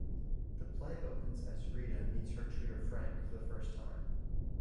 The play opens as 'Rita' meets her tutor, Frank, for the first time.